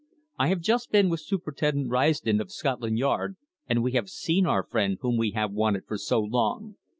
"I have just been with Superintendent Risden, of Scotland Yard, and we have seen our friend whom we have wanted for so long.